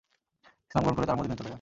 ইসলাম গ্রহণ করে তাঁরা মদীনায় চলে যান।